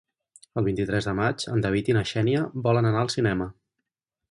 El vint-i-tres de maig en David i na Xènia volen anar al cinema.